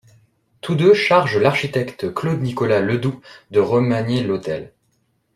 Tous deux chargent l'architecte Claude-Nicolas Ledoux de remanier l'hôtel.